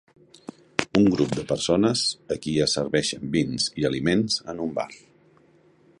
Un grup de persones a qui es serveixen vins i aliments en un bar